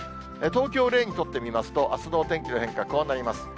東京を例にとってみますと、あすのお天気の変化、こうなります。